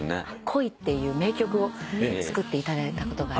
『恋』っていう名曲を作っていただいたことが。